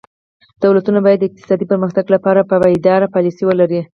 دولتونه باید د اقتصادي پرمختګ لپاره پایداره پالیسي ولري.